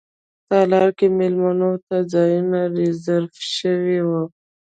تالار کې میلمنو ته ځایونه ریزرف شوي وو.